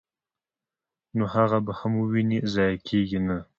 نو هغه به هم وويني، ضائع کيږي نه!!.